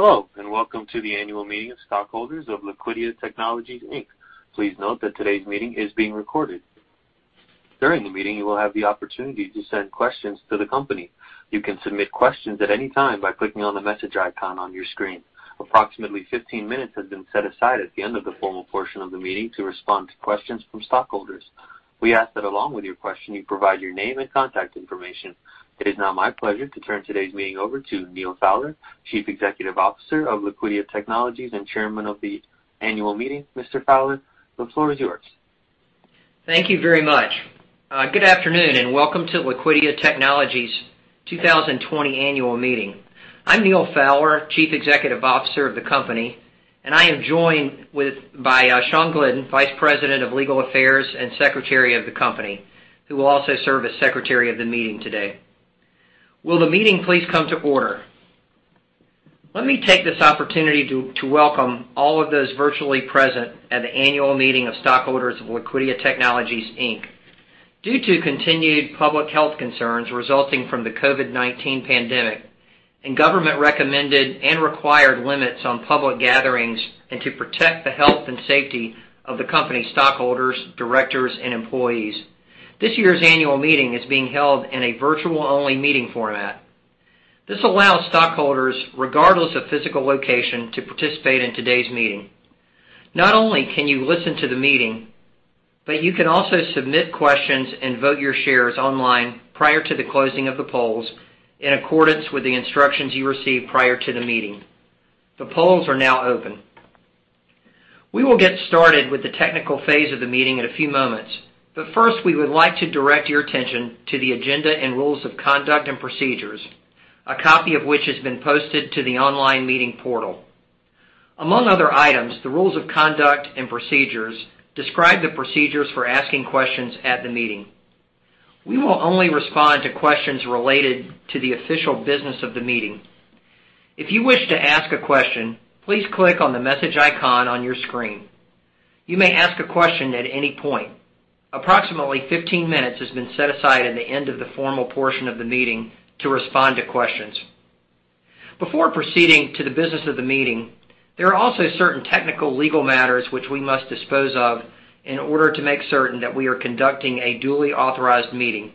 Hello, welcome to the annual meeting of stockholders of Liquidia Technologies, Inc. Please note that today's meeting is being recorded. During the meeting, you will have the opportunity to send questions to the company. You can submit questions at any time by clicking on the message icon on your screen. Approximately 15 minutes has been set aside at the end of the formal portion of the meeting to respond to questions from stockholders. We ask that along with your question, you provide your name and contact information. It is now my pleasure to turn today's meeting over to Neal Fowler, Chief Executive Officer of Liquidia Technologies and Chairman of the annual meeting. Mr. Fowler, the floor is yours. Thank you very much. Good afternoon, welcome to Liquidia Technologies' 2020 annual meeting. I'm Neal Fowler, Chief Executive Officer of the company, I am joined by Sean Glidden, Vice President of Legal Affairs and Secretary of the company, who will also serve as Secretary of the meeting today. Will the meeting please come to order? Let me take this opportunity to welcome all of those virtually present at the annual meeting of stockholders of Liquidia Technologies, Inc. Due to continued public health concerns resulting from the COVID-19 pandemic and government-recommended and required limits on public gatherings, to protect the health and safety of the company stockholders, directors, and employees, this year's annual meeting is being held in a virtual-only meeting format. This allows stockholders, regardless of physical location, to participate in today's meeting. Not only can you listen to the meeting, you can also submit questions and vote your shares online prior to the closing of the polls in accordance with the instructions you received prior to the meeting. The polls are now open. We will get started with the technical phase of the meeting in a few moments. First, we would like to direct your attention to the agenda and rules of conduct and procedures, a copy of which has been posted to the online meeting portal. Among other items, the rules of conduct and procedures describe the procedures for asking questions at the meeting. We will only respond to questions related to the official business of the meeting. If you wish to ask a question, please click on the message icon on your screen. You may ask a question at any point. Approximately 15 minutes has been set aside at the end of the formal portion of the meeting to respond to questions. Before proceeding to the business of the meeting, there are also certain technical legal matters which we must dispose of in order to make certain that we are conducting a duly authorized meeting.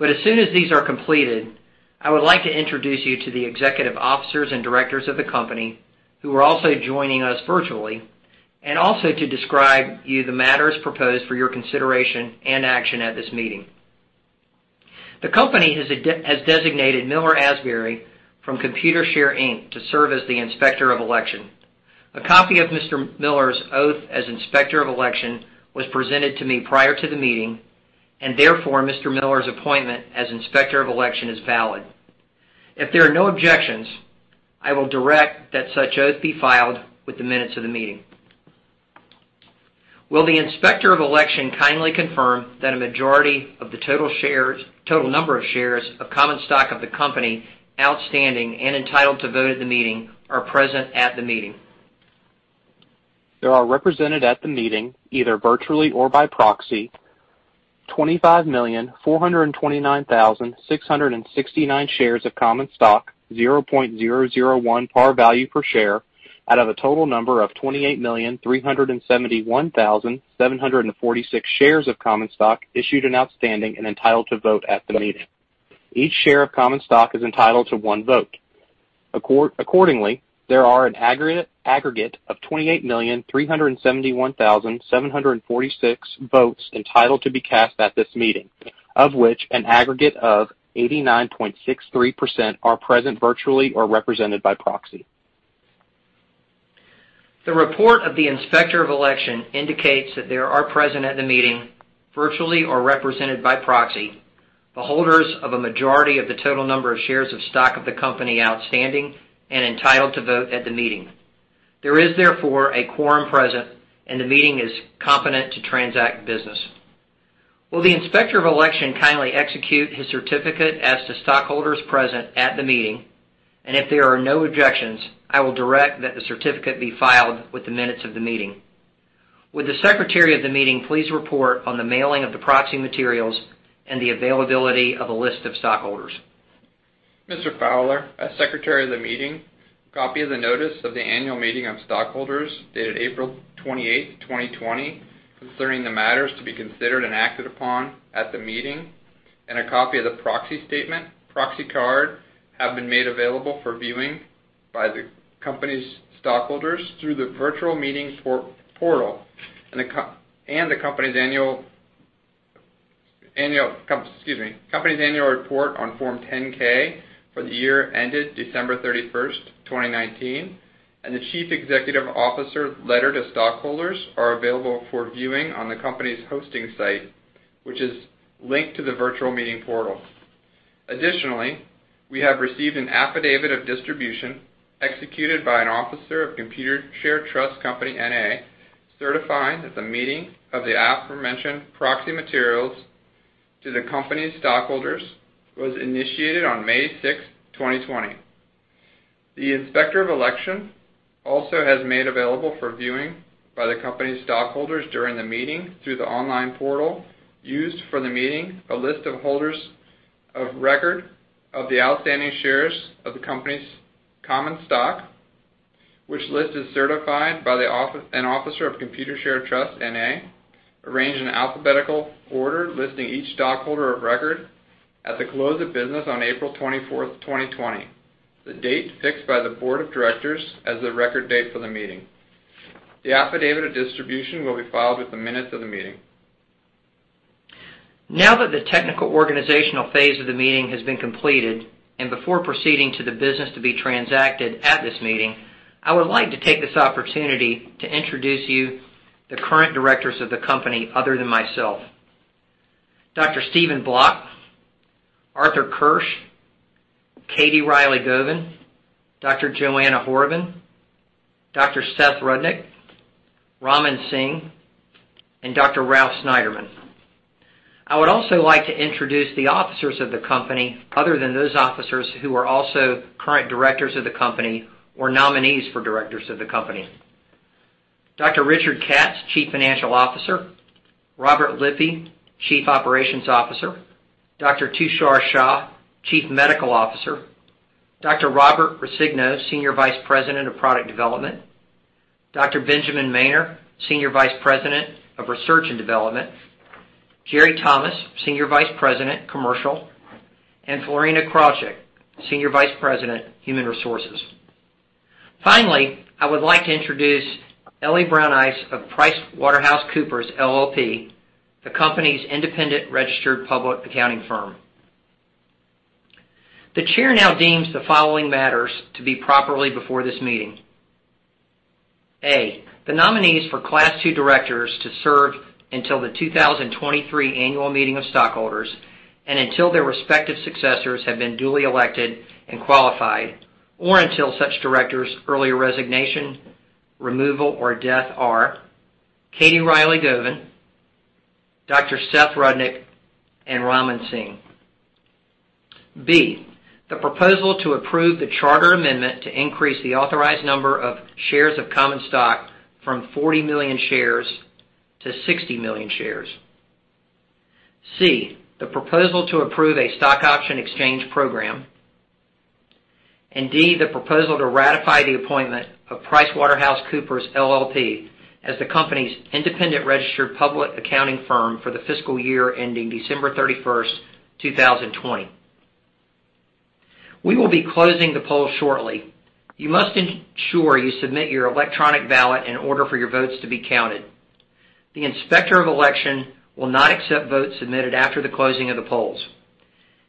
As soon as these are completed, I would like to introduce you to the executive officers and directors of the company who are also joining us virtually, also to describe you the matters proposed for your consideration and action at this meeting. The company has designated Miller Asbury from Computershare, Inc., to serve as the Inspector of Election. A copy of Mr. Miller's oath as Inspector of Election was presented to me prior to the meeting, therefore, Mr. Miller's appointment as Inspector of Election is valid. If there are no objections, I will direct that such oath be filed with the minutes of the meeting. Will the Inspector of Election kindly confirm that a majority of the total number of shares of common stock of the company outstanding and entitled to vote at the meeting are present at the meeting? There are represented at the meeting, either virtually or by proxy, 25,429,669 shares of common stock, 0.001 par value per share, out of a total number of 28,371,746 shares of common stock issued and outstanding and entitled to vote at the meeting. Each share of common stock is entitled to one vote. Accordingly, there are an aggregate of 28,371,746 votes entitled to be cast at this meeting, of which an aggregate of 89.63% are present virtually or represented by proxy. The report of the Inspector of Election indicates that there are present at the meeting, virtually or represented by proxy, the holders of a majority of the total number of shares of stock of the company outstanding and entitled to vote at the meeting. There is therefore a quorum present, and the meeting is competent to transact business. Will the Inspector of Election kindly execute his certificate as to stockholders present at the meeting? If there are no objections, I will direct that the certificate be filed with the minutes of the meeting. Would the Secretary of the meeting please report on the mailing of the proxy materials and the availability of a list of stockholders? Mr. Fowler, as Secretary of the meeting, a copy of the notice of the annual meeting of stockholders dated April 28, 2020, concerning the matters to be considered and acted upon at the meeting, and a copy of the proxy statement, proxy card, have been made available for viewing by the company's stockholders through the virtual meeting portal. The company's annual report on Form 10-K for the year ended December 31, 2019, and the Chief Executive Officer letter to stockholders are available for viewing on the company's hosting site, which is linked to the virtual meeting portal. Additionally, we have received an affidavit of distribution executed by an officer of Computershare Trust Company, N.A., certifying that the mailing of the aforementioned proxy materials to the company's stockholders was initiated on May 6, 2020. The Inspector of Election also has made available for viewing by the company's stockholders during the meeting through the online portal used for the meeting, a list of holders of record of the outstanding shares of the company's common stock, which list is certified by an officer of Computershare Trust Company, N.A., arranged in alphabetical order, listing each stockholder of record at the close of business on April twenty-fourth, 2020, the date fixed by the board of directors as the record date for the meeting. The affidavit of distribution will be filed with the minutes of the meeting. Now that the technical organizational phase of the meeting has been completed, and before proceeding to the business to be transacted at this meeting, I would like to take this opportunity to introduce you the current directors of the company, other than myself. Dr. Stephen Bloch, Arthur Kirsch, Katie Rielly-Gauvin, Dr. Joanna Horobin, Dr. Seth Rudnick, Raman Singh, and Dr. Ralph Snyderman. I would also like to introduce the officers of the company, other than those officers who are also current directors of the company or nominees for directors of the company. Dr. Richard Katz, Chief Financial Officer. Robert Lippy, Chief Operations Officer. Dr. Tushar Shah, Chief Medical Officer. Dr. Robert Rescigno, Senior Vice President of Product Development. Dr. Benjamin Maynor, Senior Vice President of Research and Development. Gerry Thomas, Senior Vice President Commercial, and Florina Krajcik, Senior Vice President, Human Resources. Finally, I would like to introduce Ellie Brauneis of PricewaterhouseCoopers LLP, the company's independent registered public accounting firm. The chair now deems the following matters to be properly before this meeting. A, the nominees for Class 2 directors to serve until the 2023 annual meeting of stockholders and until their respective successors have been duly elected and qualified, or until such directors' earlier resignation, removal, or death are: Katie Rielly-Gauvin, Dr. Seth Rudnick, and Raman Singh. B, the proposal to approve the charter amendment to increase the authorized number of shares of common stock from 40 million shares to 60 million shares. C, the proposal to approve a stock option exchange program. D, the proposal to ratify the appointment of PricewaterhouseCoopers LLP as the company's independent registered public accounting firm for the fiscal year ending December 31, 2020. We will be closing the poll shortly. You must ensure you submit your electronic ballot in order for your votes to be counted. The Inspector of Election will not accept votes submitted after the closing of the polls.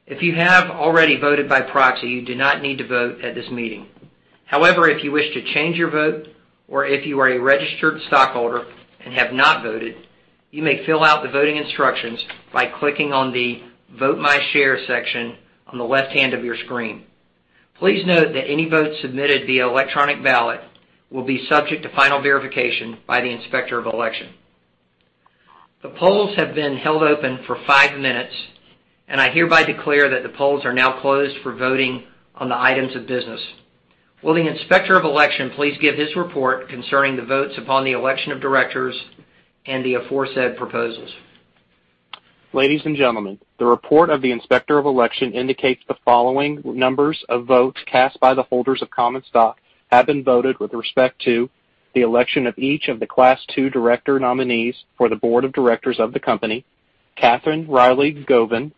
If you have already voted by proxy, you do not need to vote at this meeting. However, if you wish to change your vote or if you are a registered stockholder and have not voted, you may fill out the voting instructions by clicking on the Vote My Share section on the left-hand of your screen. Please note that any votes submitted via electronic ballot will be subject to final verification by the Inspector of Election. The polls have been held open for five minutes. I hereby declare that the polls are now closed for voting on the items of business. Will the inspector of election please give his report concerning the votes upon the election of directors and the aforesaid proposals. Ladies and gentlemen, the report of the inspector of election indicates the following numbers of votes cast by the holders of common stock have been voted with respect to the election of each of the Class 2 director nominees for the board of directors of the company. Katherine Rielly-Gauvin,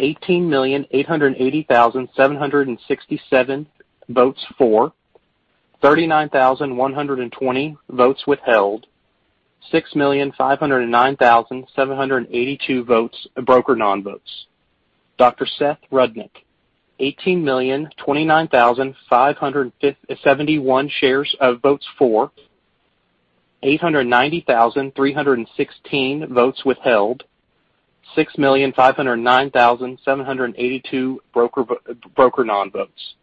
18,880,767 votes for, 39,120 votes withheld, 6,509,782 votes broker non-votes. Dr. Seth Rudnick, 18,029,571 shares of votes for, 890,316 votes withheld, 6,509,782 broker non-votes.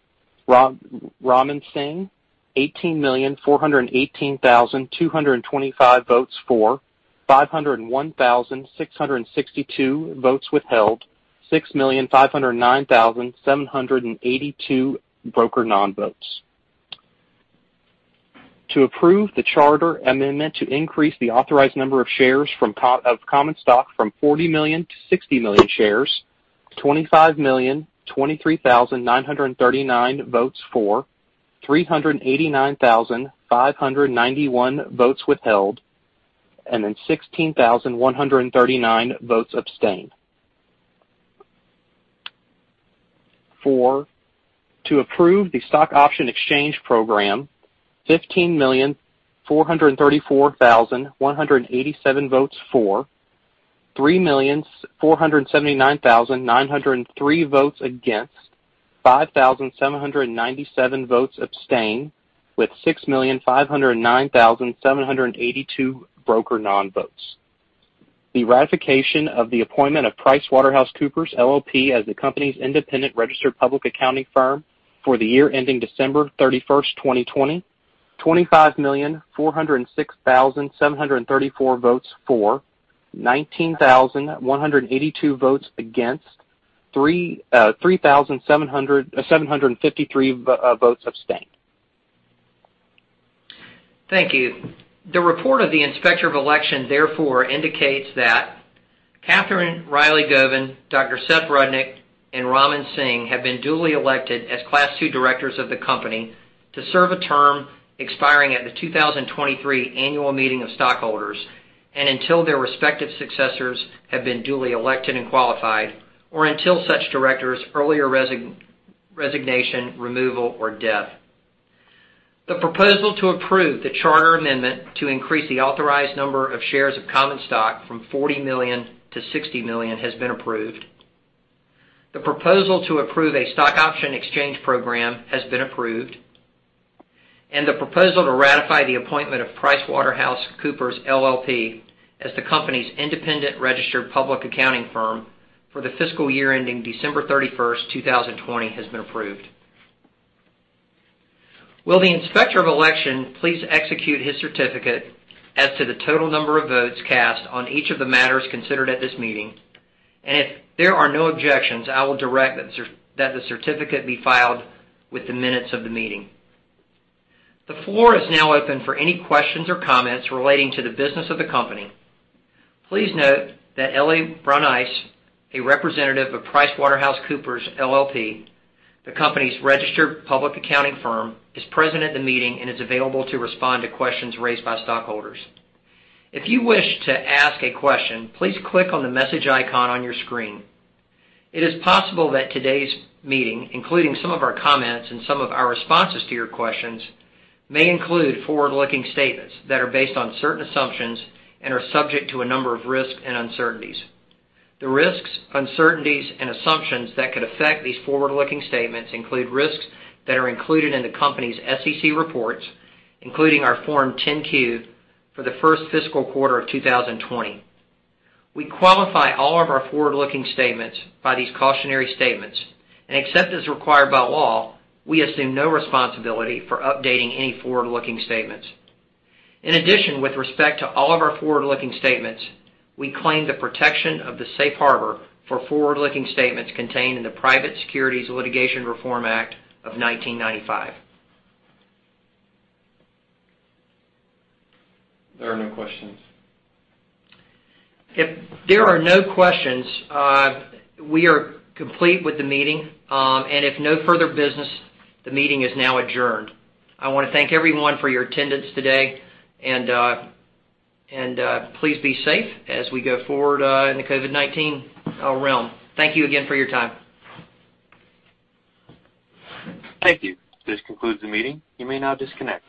Raman Singh, 18,418,225 votes for, 501,662 votes withheld, 6,509,782 broker non-votes. To approve the charter amendment to increase the authorized number of shares of common stock from 40 million to 60 million shares, 25,023,939 votes for, 389,591 votes withheld, and then 16,139 votes abstain. Four, to approve the stock option exchange program, 15,434,187 votes for, 3,479,903 votes against, 5,797 votes abstain, with 6,509,782 broker non-votes. The ratification of the appointment of PricewaterhouseCoopers LLP as the company's independent registered public accounting firm for the year ending December 31st, 2020, 25,406,734 votes for, 19,182 votes against 3,753 votes abstained. Thank you. The report of the Inspector of Election therefore indicates that Katherine Rielly-Gauvin, Dr. Seth Rudnick, and Raman Singh have been duly elected as Class II directors of the company to serve a term expiring at the 2023 Annual Meeting of Stockholders and until their respective successors have been duly elected and qualified, or until such directors' earlier resignation, removal, or death. The proposal to approve the charter amendment to increase the authorized number of shares of common stock from $40 million to $60 million has been approved. The proposal to approve a stock option exchange program has been approved. The proposal to ratify the appointment of PricewaterhouseCoopers LLP as the company's independent registered public accounting firm for the fiscal year ending December 31, 2020, has been approved. Will the Inspector of Election please execute his certificate as to the total number of votes cast on each of the matters considered at this meeting? If there are no objections, I will direct that the certificate be filed with the minutes of the meeting. The floor is now open for any questions or comments relating to the business of the company. Please note that Ellie Brauneis, a representative of PricewaterhouseCoopers LLP, the company's registered public accounting firm, is present at the meeting and is available to respond to questions raised by stockholders. If you wish to ask a question, please click on the message icon on your screen. It is possible that today's meeting, including some of our comments and some of our responses to your questions, may include forward-looking statements that are based on certain assumptions and are subject to a number of risks and uncertainties. The risks, uncertainties, and assumptions that could affect these forward-looking statements include risks that are included in the company's SEC reports, including our Form 10-Q for the first fiscal quarter of 2020. We qualify all of our forward-looking statements by these cautionary statements. Except as required by law, we assume no responsibility for updating any forward-looking statements. In addition, with respect to all of our forward-looking statements, we claim the protection of the safe harbor for forward-looking statements contained in the Private Securities Litigation Reform Act of 1995. There are no questions. If there are no questions, we are complete with the meeting. If no further business, the meeting is now adjourned. I want to thank everyone for your attendance today, please be safe as we go forward in the COVID-19 realm. Thank you again for your time. Thank you. This concludes the meeting. You may now disconnect.